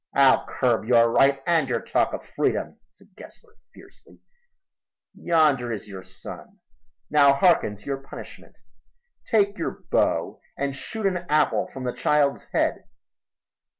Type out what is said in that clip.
"I'll curb your right and your talk of freedom," said Gessler fiercely. "Yonder is your son. Now harken to your punishment. Take your bow and shoot an apple from the child's head."